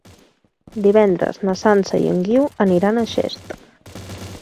Divendres na Sança i en Guiu aniran a Xest.